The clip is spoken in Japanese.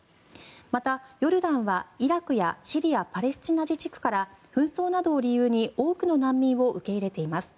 また、ヨルダンはイラクやシリア、パレスチナ自治区から紛争などを理由に多くの難民を受け入れています。